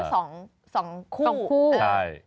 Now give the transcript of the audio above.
ก็ถูกซื้อ๒คู่๒คู่